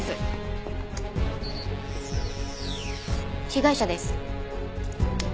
被害者です。